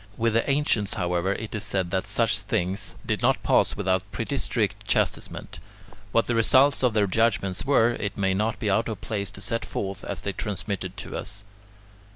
With the ancients, however, it is said that such things did not pass without pretty strict chastisement. What the results of their judgments were, it may not be out of place to set forth as they are transmitted to us.